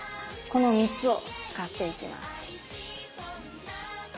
この３つを使っていきます。